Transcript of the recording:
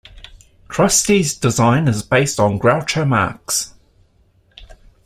Krusty's design is based on Groucho Marx.